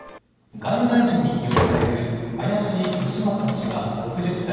外務大臣に起用される林芳正氏は６０歳。